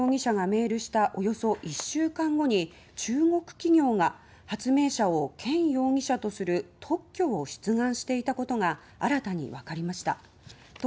その後の取材でケン容疑者がメールしたおよそ１週間後に中国企業が発明者をケン容疑者とする特許を出願していたことが新たにわかりました。